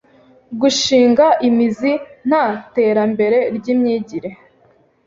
gushinga imizi nta 'terambere ry’imyigire